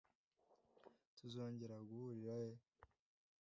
"Tuzongera guhurira he?"